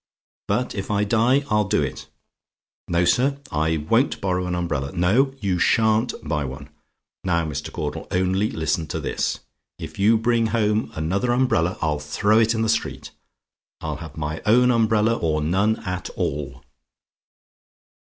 But if I die I'll do it. No, sir; I won't borrow an umbrella. No; and you sha'n't buy one. Now, Mr. Caudle, only listen to this: if you bring home another umbrella, I'll throw it in the street. I'll have my own umbrella or none at all.